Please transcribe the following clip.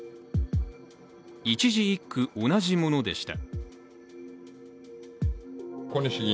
一字一句、同じものでした。